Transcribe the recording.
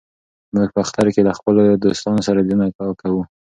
موږ په اختر کې له خپلو دوستانو سره لیدنه کوو.